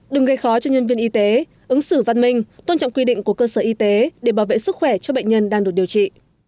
đừng gây khó cho nhân viên y tế ứng xử văn minh tôn trọng quy định của cơ sở y tế để bảo vệ sức khỏe cho bệnh nhân đang được điều trị